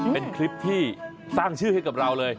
เป็นคลิปที่ตั้งชื่อให้กับเราเลย